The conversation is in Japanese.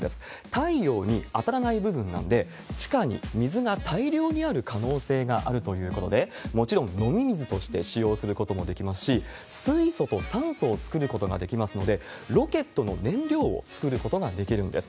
太陽に当たらない部分なので、地下に水が大量にある可能性があるということで、もちろん飲み水として使用することもできますし、水素と酸素を作ることができますので、ロケットの燃料を作ることができるんです。